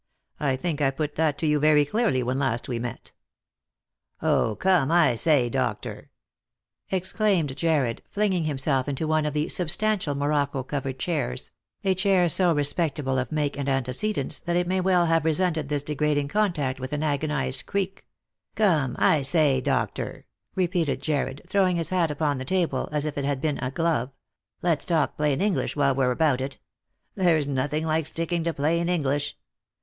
I think I put that to you very clearly when last ■we met." " 0, come, I say, doctor," exclaimed Jarred, flinging himself into one of the substantial morocco covered chairs — a chair so respectable of make and antecedents that it may well have re sented this degrading contact with an agonised creak —" come, I say, doctor," repeated Jarred, throwing his hat upon the table as if it had been a glove, " let's talk plain English while we're about it. There's nothing like sticking to plain English.